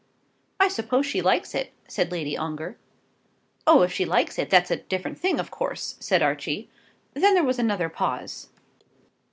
"I suppose she likes it," said Lady Ongar. "Oh, if she likes it, that's a different thing, of course," said Archie. Then there was another pause.